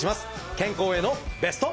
健康へのベスト。